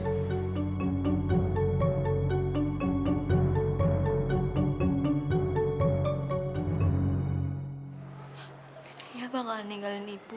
pak lia bakal ninggalin ibu